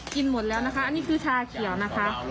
หมดแล้วนะคะอันนี้คือชาเขียวนะคะ